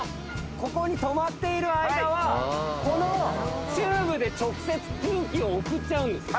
ここに止まっている間はこのチューブで直接空気を送っちゃうんです。